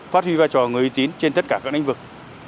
phát huy vai trò người y tín trên tất cả các đánh vực